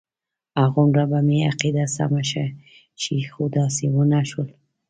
هغومره به مې عقیده سمه شي خو داسې ونه شول.